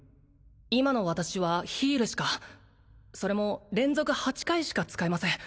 今の私はヒールしかそれも連続８回しか使えません